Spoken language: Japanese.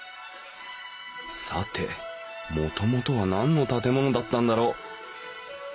さてもともとは何の建物だったんだろう。